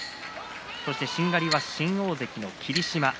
そして、しんがりが新大関の霧島。